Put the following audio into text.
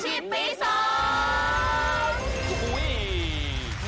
กับกิจกรรม